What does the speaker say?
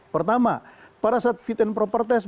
pertama pada saat fit and proper test